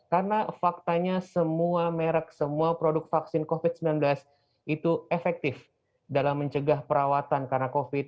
karena faktanya semua merek semua produk vaksin covid sembilan belas itu efektif dalam mencegah perawatan karena covid